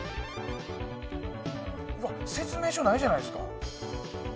説明書ないじゃないですか。